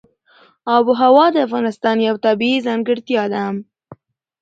آب وهوا د افغانستان یوه طبیعي ځانګړتیا ده.